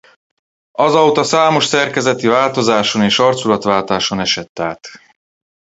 Azóta számos szerkezeti változáson és arculatváltáson esett át.